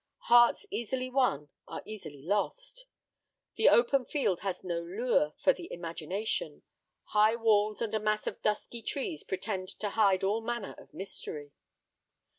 Hearts easily won are easily lost. The open field has no lure for the imagination; high walls and a mass of dusky trees pretend to hide all manner of mystery.